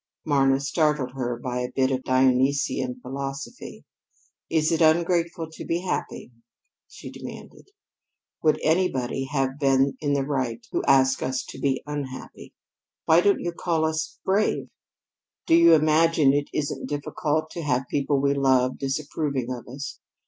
Marna startled her by a bit of Dionysian philosophy. "Is it ungrateful to be happy?" she demanded. "Would anybody have been in the right who asked us to be unhappy? Why don't you call us brave? Do you imagine it isn't difficult to have people we love disapproving of us?